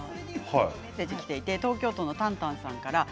東京都の方からです。